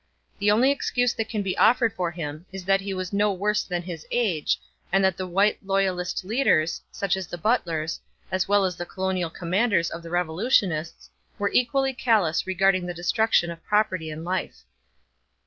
The only excuse that can be offered for him is that he was no worse than his age, and that the white loyalist leaders, such as the Butlers, as well as the colonial commanders of the revolutionists, were equally callous regarding the destruction of property and life.